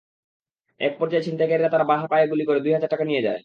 একপর্যায়ে ছিনতাইকারীরা তাঁর বাঁ পায়ে গুলি করে দুই হাজার টাকা নিয়ে যায়।